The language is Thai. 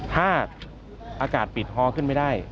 ถ้าอากาศปิดฮอขึ้นไม่ได้